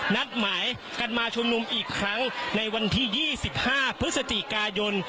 นัดหมายกันมาชุมนุมอีกครั้งในวันที่๒๕พฤศจิกายน